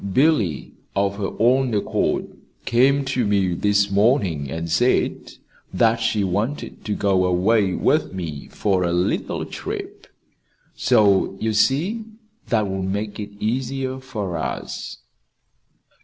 "Billy, of her own accord, came to me this morning, and said that she wanted to go away with me for a little trip. So you see that will make it easier for us."